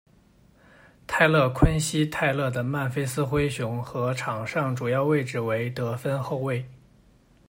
泰勒·昆西·泰勒的曼菲斯灰熊和，场上主要位置为得分后卫。